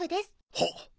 はっ。